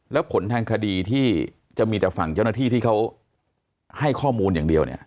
แล้วผลทางคดีที่จะมีแต่ฝั่งเจ้าหน้าที่ที่เขาให้ข้อมูลอย่างเดียวเนี่ย